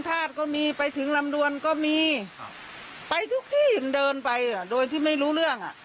แต่ก็ไม่เคยทำร้ายใคร